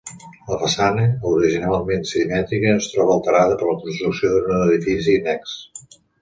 La façana, originalment simètrica, es troba alterada per la construcció d'un edifici annex.